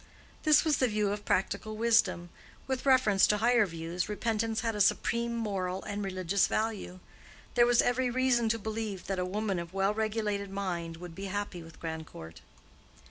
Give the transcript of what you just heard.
This was the view of practical wisdom; with reference to higher views, repentance had a supreme moral and religious value. There was every reason to believe that a woman of well regulated mind would be happy with Grandcourt.